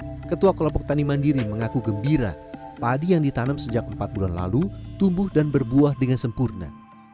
ketua kelompok tani mandiri mengaku gembira padi yang ditanam sejak empat bulan lalu tumbuh dan berbuah dengan sempurna